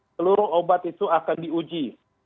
seluruh obat itu akan diuji